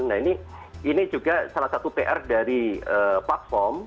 nah ini juga salah satu pr dari platform